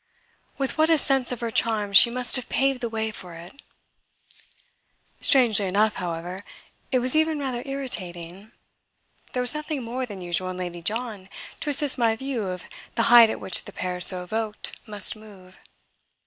With what a sense of her charm she must have paved the way for it! Strangely enough, however it was even rather irritating there was nothing more than usual in Lady John to assist my view of the height at which the pair so evoked must move.